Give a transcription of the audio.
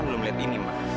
tunggu dulu rizky